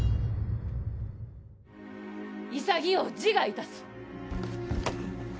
潔う自害いたす。